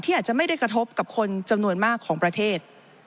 อาจจะไม่ได้กระทบกับคนจำนวนมากของประเทศ